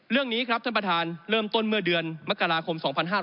เรื่องนี้ครับท่านประธานเริ่มต้นเมื่อเดือนมกราคม๒๕๕๙